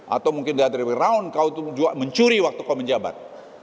atau mungkin dari around kau mencuri waktu kau menjabat